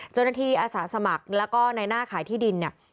เจ้าหน้าที่อาสาสมัครแล้วก็ในหน้าขายที่ดิน